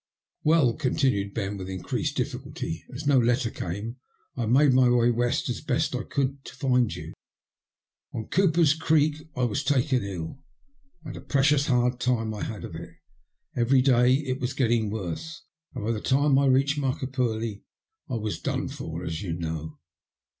''Well," continued Ben, with increased difficulty, '' as no letter came I made my way west as best I could, to find you. On Cooper's Gredi I was taken ill, and a precious hard time I had of it. Every [day I was getting worse, and by the time I reached Marka purlie I was done for, as you know."